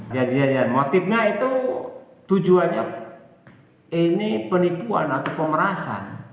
jadi motifnya itu tujuannya ini penipuan atau pemerasan